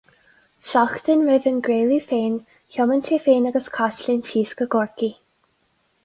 Seachtain roimh an gcraoladh féin, thiomáin sé féin agus Caitlín síos go Corcaigh.